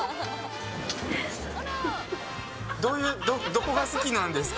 どこが好きなんですか？